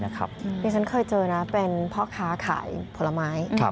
ดิฉันเคยเจอนะเป็นพ่อค้าขายผลไม้